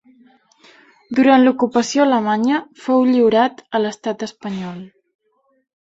Durant l'ocupació alemanya fou lliurat a l'Estat espanyol.